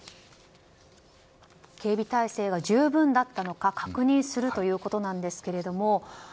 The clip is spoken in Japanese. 警備態勢が十分だったのか確認するということですけれども。